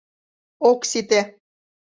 Ок сите!